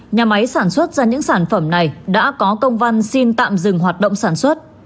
nhà máy sản xuất ra những sản phẩm này đã có công văn xin tạm dừng hoạt động sản xuất